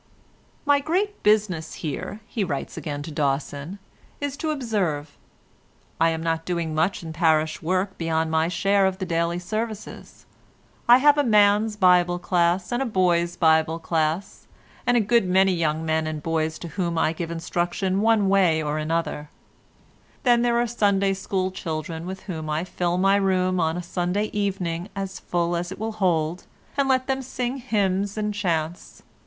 "My great business here," he writes again to Dawson, "is to observe. I am not doing much in parish work beyond my share of the daily services. I have a man's Bible Class, and a boy's Bible Class, and a good many young men and boys to whom I give instruction one way or another; then there are the Sunday School children, with whom I fill my room on a Sunday evening as full as it will hold, and let them sing hymns and chants.